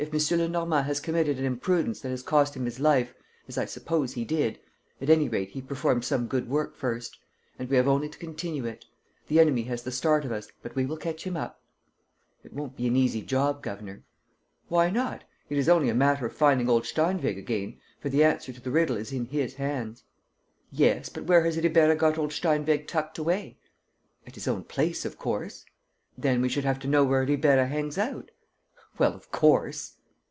Lenormand has committed an imprudence that has cost him his life, as I suppose he did, at any rate he performed some good work first; and we have only to continue it. The enemy has the start of us, but we will catch him up." "It won't be an easy job, governor." "Why not? It is only a matter of finding old Steinweg again, for the answer to the riddle is in his hands." "Yes, but where has Ribeira got old Steinweg tucked away?" "At his own place, of course." "Then we should have to know where Ribeira hangs out." "Well, of course!"